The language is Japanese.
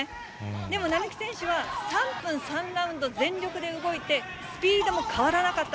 でも並木選手は、３分３ラウンド、全力で動いて、スピードも変わらなかった。